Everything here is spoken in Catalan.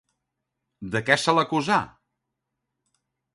De què se l'acusà?